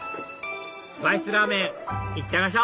スパイスラーメン行っちゃいましょう！